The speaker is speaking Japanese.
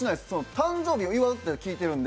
誕生日を祝うって聞いてるんで。